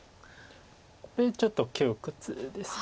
これちょっと窮屈です。